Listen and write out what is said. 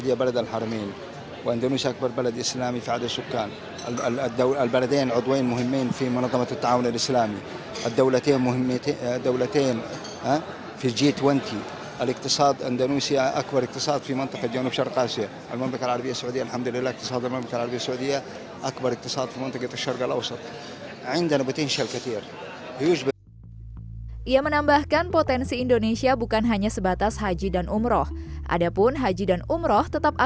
ada pun haji dan umroh tetap akan mengembangkan kesehatan kita dalam perjalanan ke negara lain